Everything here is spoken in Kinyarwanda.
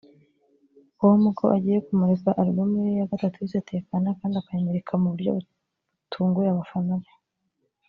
com ko agiye kumurika album ye ya gatatu yise “Tekana” kandi akayimurika mu buryo butunguye abafana be